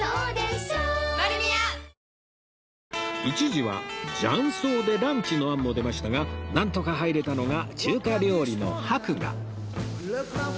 一時は雀荘でランチの案も出ましたがなんとか入れたのが中華料理の博雅